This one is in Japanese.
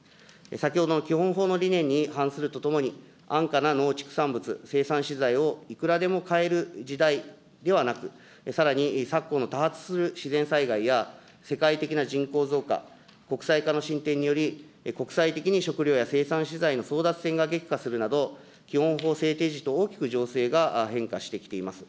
先ほど、基本法の理念に反するとともに、安価な農畜産物、生産資材をいくらでも買える時代ではなく、さらに昨今の多発する自然災害や、世界的な人口増加、国際化の進展により、国際的に食料や生産資材の争奪戦が激化するなど、基本法と大きく情勢が変化してきております。